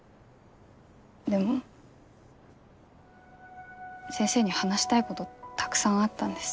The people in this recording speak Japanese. でも先生に話したいことたくさんあったんです。